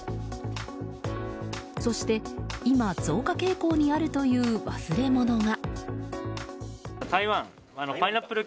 そして今、増加傾向にあるという忘れ物が。